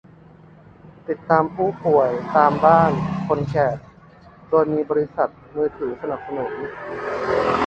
ติดตามผู้ป่วยตามบ้าน คนแก่ โดยมีบริษัทมือถือสนับสนุน